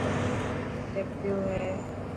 جڳ پيو هي.